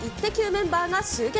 メンバーが集結。